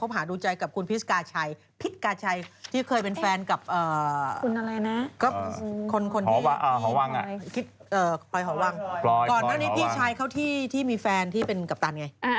ก่อนหน้านี้พี่ชายเขาที่มีแฟนที่เป็นกัปตันไง